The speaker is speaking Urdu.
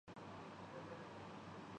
دیکھو یہاں بستر لگادو